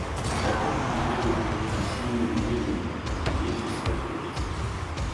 Вокруг люди бегают какие-то синие да зеленые, а ей всё спать хочется.